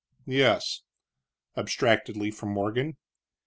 "Yes," abstractedly from Morgan.